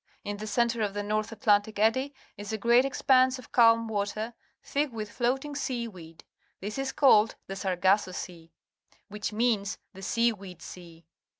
In the centre ofthe North Atlantic Eddy is a great expanse of ca lm water, thick with floating sea weed. This is called the Sargasso Sea, which means the Sea weed Sea.